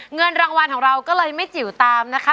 เงินรางวัลของเราก็เลยไม่จิ๋วตามนะคะ